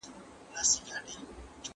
الله ج له صبر کوونکو سره دی.